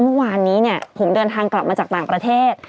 เมื่อวานนี้เนี่ยผมเดินทางกลับมาจากต่างประเทศ